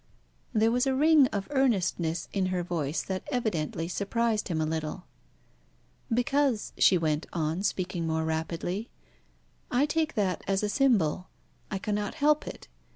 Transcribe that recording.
There was a ring of earnestness in her voice that evidently surprised him a little. "Because," she went on, speaking more rapidly, "I take that as a symbol. I cannot help it.